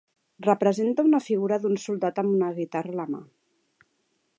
Representa una figura d'un soldat amb una guitarra a la mà.